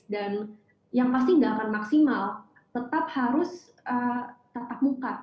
dan yang pasti gak akan maksimal tetap harus tatap muka